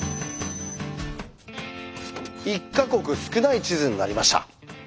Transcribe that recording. １か国少ない地図になりました。